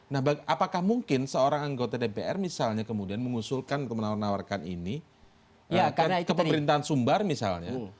nah apakah mungkin seorang anggota dpr misalnya kemudian mengusulkan atau menawarkan ini ke pemerintahan sumbar misalnya